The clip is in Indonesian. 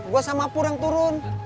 gue sama pur yang turun